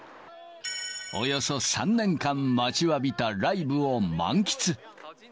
およそ３年間待ちわびたライブを満喫。